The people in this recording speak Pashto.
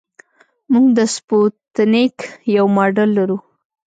موږ د سپوتنیک یو ماډل لرو